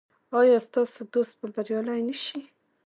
ایا ستاسو دوست به بریالی نه شي؟